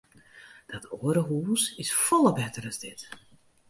Dat oare hús is folle better as dit.